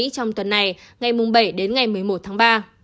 trong tuần này ngày bảy đến ngày một mươi một tháng ba